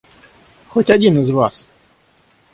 Хоть один из вас?